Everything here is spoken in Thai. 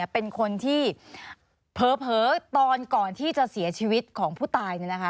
เป็นคนที่เผลอตอนก่อนที่จะเสียชีวิตของผู้ตาย